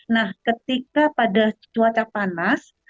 nah ketika pada cuaca panas